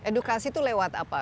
edukasi itu lewat apa